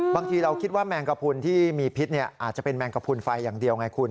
บางทีเราคิดว่าแมงกระพุนที่มีพิษอาจจะเป็นแมงกระพุนไฟอย่างเดียวไงคุณ